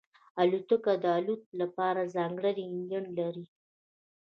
الوتکه د الوت لپاره ځانګړی انجن لري.